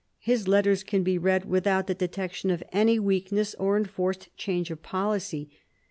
His letters can be read without the detection of any weakness or enforced change of policy.